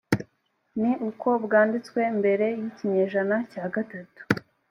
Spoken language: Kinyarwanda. ni uko bwanditswe mbere y ikinyejana cya gatatu